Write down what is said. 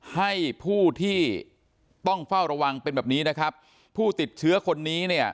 ให้ผู้ที่ต้องเฝ้าระวังเป็นแบบนี้นะครับผู้ติดเชื้อคนนี้เนี่ย